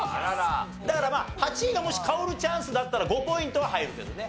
だからまあ８位がもし薫チャンスだったら５ポイントは入るけどね。